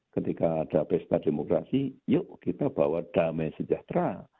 ketika ada pesta demokrasi yuk kita bawa damai sejahtera